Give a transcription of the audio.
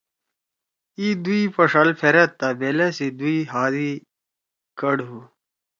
اِی دُوئی پݜال پھرأد تا بیلأ سی دُوئی ہات ئی کڑ ہُو!